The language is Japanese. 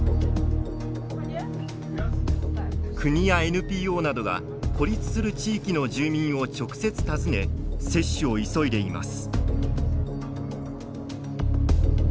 国やＮＰＯなどが孤立する地域の住民を直接訪ね接種を急いでいます。